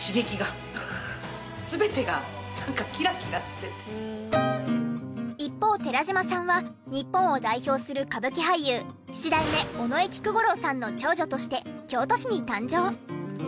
そして一方寺島さんは日本を代表する歌舞伎俳優七代目尾上菊五郎さんの長女として京都市に誕生。